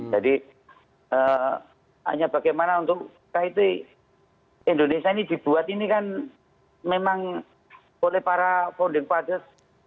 jadi hanya bagaimana untuk kaiti indonesia ini dibuat ini kan memang oleh para founding fathers